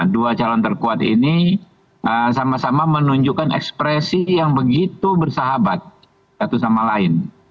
dua calon terkuat ini sama sama menunjukkan ekspresi yang begitu bersahabat satu sama lain